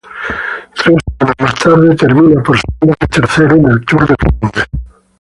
Tres semanas más tarde, termina por segunda vez tercero en el Tour de Flandes.